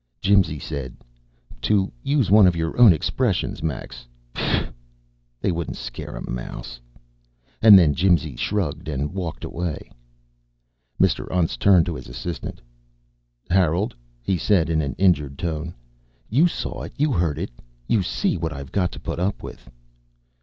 Jimsy said, "To use one of your own expressions, Max pfui. They wouldn't scare a mouse." And then Jimsy shrugged and walked away. Mr. Untz turned to his assistant. "Harold," he said in an injured tone. "You saw it. You heard it. You see what I've got to put up with."